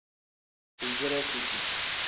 Izire futi.